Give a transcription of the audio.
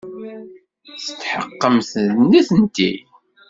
Tetḥeqqemt d nitenti?